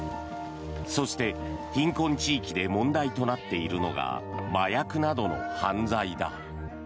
そして貧困地域で問題となっているのが麻薬などの犯罪だ。